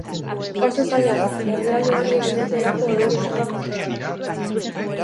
Oso zaila da, herrialde horiek ezin dutelako euren muga kontrolatu.